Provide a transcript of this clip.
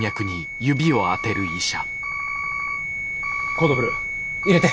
コードブルー入れて！